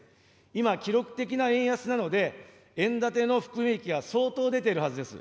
今、記録的な円安なので、円建ての含み益が相当出ているはずです。